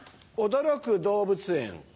驚く動物園。